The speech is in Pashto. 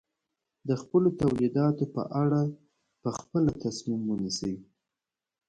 د خپلو تولیداتو په اړه په خپله تصمیم ونیسي.